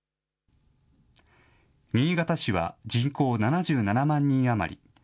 新潟市は人口７７万人余り。